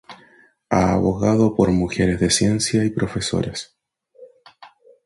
Ha abogado por mujeres de ciencia y profesoras.